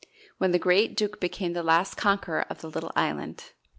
when the great Duke became the last conqueror of the little island.